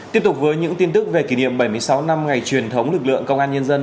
tiếp tục với những tin tức về kỷ niệm bảy mươi sáu năm ngày truyền thống lực lượng công an nhân dân